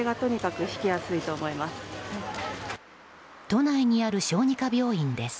都内にある小児科病院です。